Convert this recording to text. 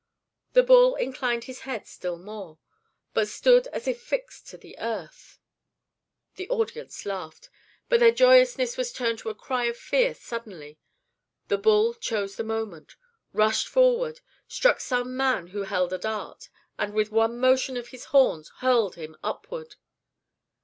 The bull inclined his head still more, but stood as if fixed to the earth. The audience laughed; but their joyousness was turned to a cry of fear suddenly. The bull chose the moment, rushed forward, struck some man who held a dart, and with one motion of his horns hurled him upward.